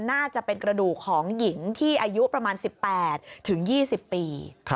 น่าจะเป็นกระดูกของหญิงที่อายุประมาณ๑๘๒๐ปี